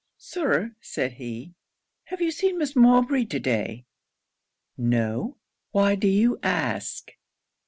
'Sir,' said he, 'have you seen Miss Mowbray to day?' 'No why do you ask?'